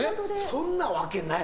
そんなわけない。